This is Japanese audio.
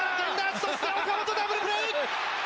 そして岡本ダブルプレー！